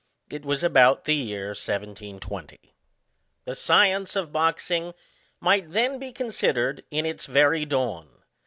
It was about the year 1720. The science of boxing might then be considered in its very dawn.